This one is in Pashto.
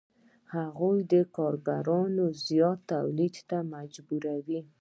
هغوی کارګران زیات تولید ته مجبوروي